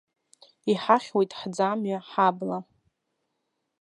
Иҳахьуеит ҳӡамҩа, ҳабла.